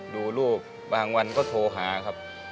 ดูรูปบางวันก็โทรหาครับ